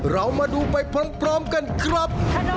เรามาดูไปพร้อมกันครับ